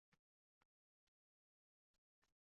Ey, munavvar zot